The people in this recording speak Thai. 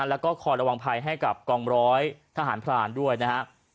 แล้วก็คอยระวังภัยให้กับกองร้อยทหารพรานด้วยนะฮะ